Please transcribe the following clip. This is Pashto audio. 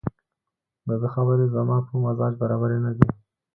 دده خبرې زما په مزاج برابرې نه دي